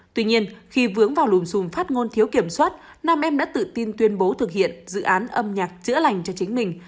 tuy nhiên khi vướng vào lùm xùm phát ngôn thiếu kiểm soát nam em đã tự tin tuyên bố thực hiện dự án âm nhạc chữa lành cho chính mình